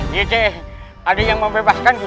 dice ada yang membebaskan duce